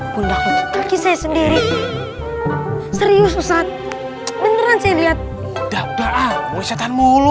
bunda kaki saya sendiri serius saat beneran saya lihat udah udah amul setan mulu